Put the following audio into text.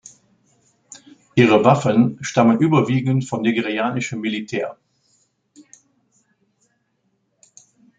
Ihre Waffen stammen überwiegend vom nigerianischen Militär.